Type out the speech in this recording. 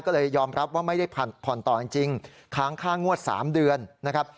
ก็เลยยอมรับว่าไม่ได้ผ่อนต่อจริงค้างค่างวด๓เดือนนะครับ